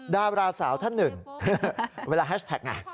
ดาราสาวท่านหนึ่งเวลาแฮชแท็กไง